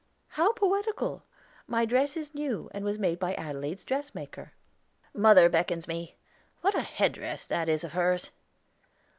"How poetical! My dress is new, and was made by Adelaide's dressmaker." "Mother beckons me. What a headdress that is of hers!"